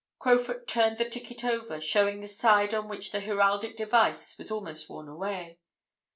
Crowfoot turned the ticket over, showing the side on which the heraldic device was almost worn away.